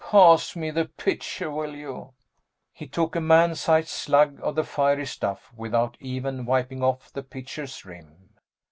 Pass me the pitcher, will you?" He took a man sized slug of the fiery stuff without even wiping off the pitcher's rim.